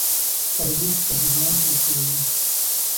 تربوز په هلمند کې کیږي